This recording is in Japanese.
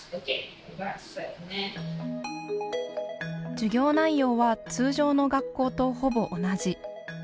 授業内容は通常の学校とほぼ同じ。